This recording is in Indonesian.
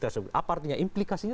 apa artinya implikasinya